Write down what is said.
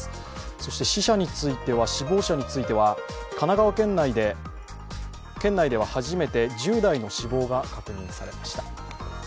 そして死亡者数については神奈川県内では初めて１０代の死亡が確認されました。